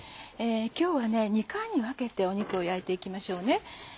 今日はね２回に分けて肉を焼いて行きましょうね。